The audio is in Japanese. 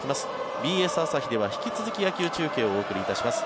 ＢＳ朝日では引き続き野球中継をお送りいたします。